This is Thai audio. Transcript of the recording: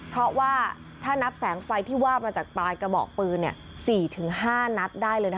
เพราะว่าถ้านับแสงไฟที่ว่ามาจากปลายกระบอกปืน๔๕นัดได้เลยนะคะ